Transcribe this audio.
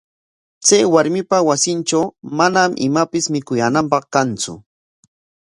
Chay warmipa wasintraw manam imapis mikuyaananpaq kantsu.